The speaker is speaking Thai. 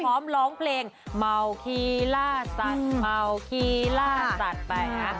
ร้องเพลงเมาคีล่าสัตว์เมาคีล่าสัตว์ไปนะ